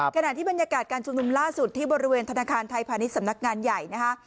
ขณะที่บรรยากาศการชุมนุมล่าสุดที่บริเวณธนาคารไทยพาณิชย์สำนักงานใหญ่นะคะ